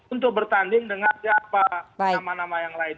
untuk bertanding dengan siapa nama nama yang lain